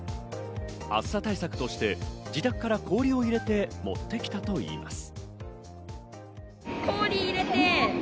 暑さ対策として自宅から氷を入れて持ってきたといいます。